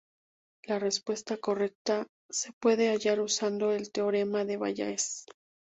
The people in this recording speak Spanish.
La respuesta correcta se puede hallar usando el Teorema de Bayes.